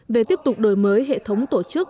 về tiếp tục đổi mới hệ thống tổ chức